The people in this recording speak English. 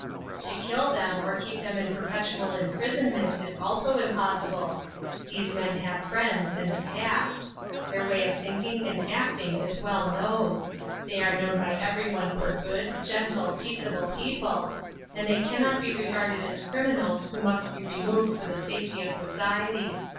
To kill them or keep them in perpetual imprisonment is also impossible. These men have friends, and a past; their way of thinking and acting is well known; they are known by everyone for good, gentle, peaceable people, and they cannot be regarded as criminals who must be removed for the safety of society.